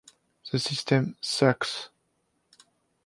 The system sucks.